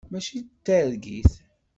Mačči d targit.